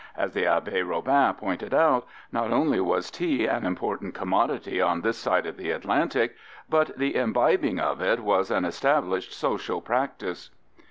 As the Abbé Robin pointed out, not only was tea an important commodity on this side of the Atlantic, but the imbibing of it was an established social practice.